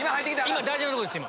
今大事なとこです。